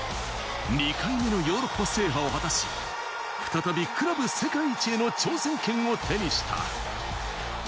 ２回目のヨーロッパ制覇を果たし、再びクラブ世界一への挑戦権を手にした。